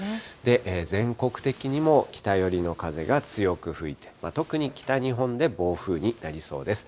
全国的にも北寄りの風が強く吹いて、特に北日本で暴風になりそうです。